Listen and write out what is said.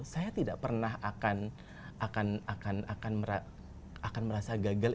saya tidak pernah akan merasa gagal